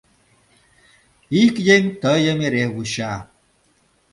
Ик еҥ тыйым эре вуча...